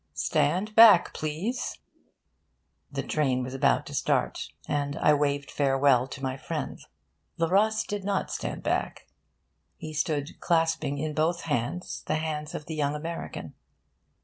'Stand back, please.' The train was about to start, and I waved farewell to my friend. Le Ros did not stand back. He stood clasping in both hands the hands of the young American.